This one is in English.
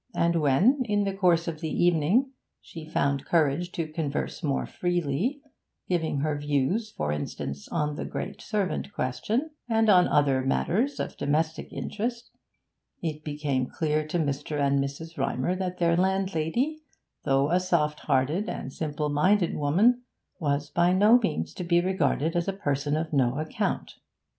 And when, in the course of the evening, she found courage to converse more freely, giving her views, for instance, on the great servant question, and on other matters of domestic interest, it became clear to Mr. and Mrs. Rymer that their landlady, though a soft hearted and simple minded woman, was by no means to be regarded as a person of no account.